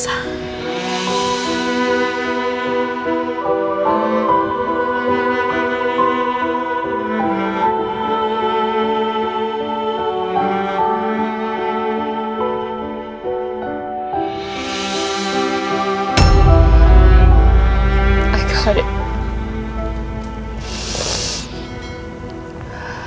saya mendengar itu